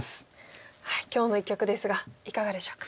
今日の一局ですがいかがでしょうか？